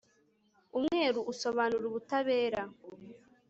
umweru usobanura ubutabera